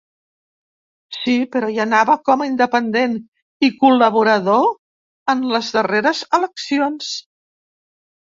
Sí, però hi anava com a independent i col·laborador en les darreres eleccions.